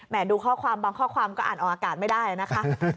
ดูข้อความบางข้อความก็อ่านออกอากาศไม่ได้นะคะ